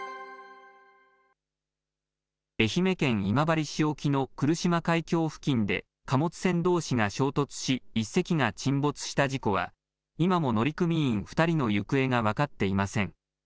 愛媛県今治市沖の来島海峡付近で貨物船どうしが衝突し、１隻が沈没した事故は、今も乗組員２人の行方が分かっていません。